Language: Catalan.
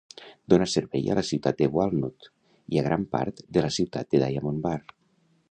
Dóna servei a la ciutat de Walnut i a gran part de la ciutat de Diamond Bar.